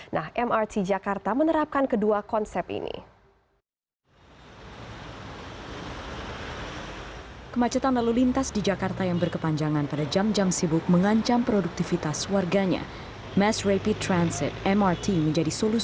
nah mrt jakarta menerapkan kedua konsep ini